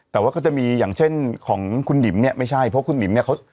แต่ว่าก็จะมีอย่างเช่นของคุณหนิมเนี่ยไม่ใช่เพราะคุณหนิมเนี่ยเขา